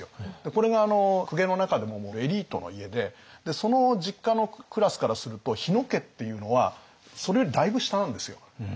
これが公家の中でももうエリートの家でその実家のクラスからすると日野家っていうのはそれよりだいぶ下なんですよ。